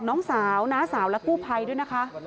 น้องสาวน้าสาวและกู้ภัยด้วยนะคะ